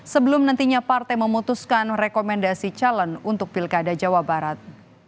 sebelum nantinya partai memutuskan rekomendasi calon untuk pilkada jawa barat